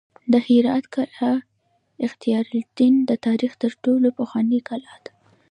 د هرات قلعه اختیارالدین د تاریخ تر ټولو پخوانۍ کلا ده